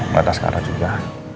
gak ada sekarang juga